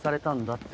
って。